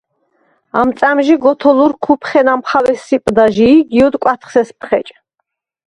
ამ წა̈მჟი გოთოლურ ქუფხენ ამხავ ესსიპდა ჟი ი გიოდ კვათხს ესფხეჭ.